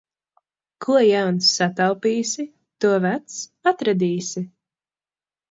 Ko jauns sataupīsi, to vecs atradīsi.